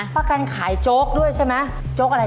พระกันขายโจ๊กด้วยใช่ไหม